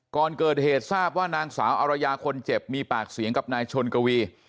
ก่อนเกิดเหตุทราบว่านางสาวอารยาคนเจ็บมีปากเสียงกับนายชนกวี